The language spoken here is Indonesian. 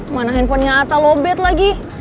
mana handphonenya ata lobet lagi